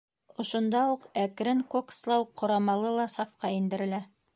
Ошонда уҡ әкрен кокслау ҡорамалы ла сафҡа индерелә.